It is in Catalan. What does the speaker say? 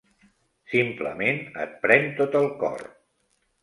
Simplement et pren tot el cor.